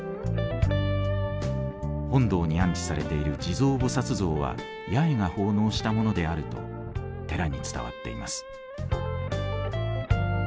本堂に安置されている地蔵菩像は八重が奉納したものであると寺に伝わっています。